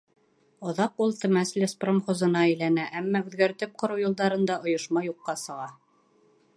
Аҙаҡ ул Темәс леспромхозына әйләнә, әммә үҙгәртеп ҡороу йылдарында ойошма юҡҡа сыға.